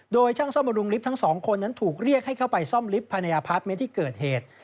โดยช่างซ่อมบำรุงลิฟต์ทั้งสองคนนั้นถูกเรียกให้เข้าไปซ่อมลิฟต์ภายในอพาร์ทเมนต์ที่เกิดเหตุ